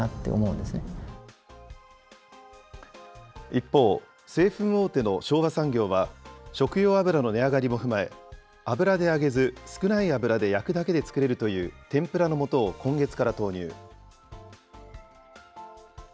一方、製粉大手の昭和産業は、食用油の値上がりも踏まえ、油で揚げず、少ない油で焼くだけで作れるという天ぷらのもとを今月から投入。